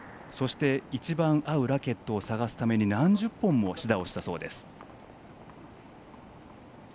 一番合うラケットを探すために何十本も試打をしたそうです。